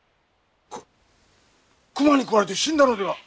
熊に食われて死んだのでは？